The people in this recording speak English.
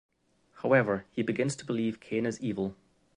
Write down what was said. However, he begins to believe Kane is evil.